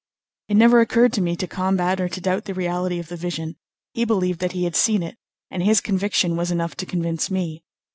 It never occurred to me to combat or to doubt the reality of the vision; he believed that he had seen it, and his conviction was enough to convince me.